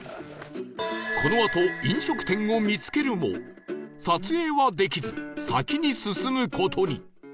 このあと飲食店を見つけるも撮影はできず先に進む事に